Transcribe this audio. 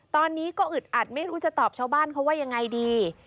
ตอนนี้ก็อึดอัดไม่รู้จะตอบชาวบ้านเขาว่ายังไงดี